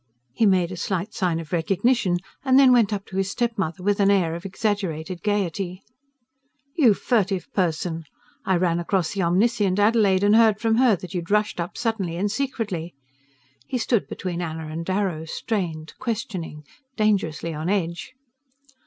He made a slight sign of recognition, and then went up to his step mother with an air of exaggerated gaiety. "You furtive person! I ran across the omniscient Adelaide and heard from her that you'd rushed up suddenly and secretly." He stood between Anna and Darrow, strained, questioning, dangerously on edge.